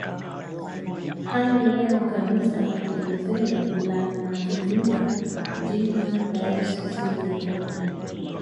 Hadi leo kanisa la Kilutheri la linatumia jina dayosisi ya Konde